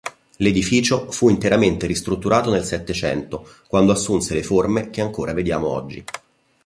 L'edificio fu interamente ristrutturato nel Settecento, quando assunse le forme che ancora vediamo oggi.